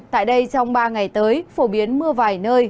tại đây trong ba ngày tới phổ biến mưa vài nơi